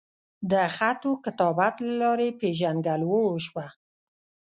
د خط وکتابت لۀ لارې پېژنګلو اوشوه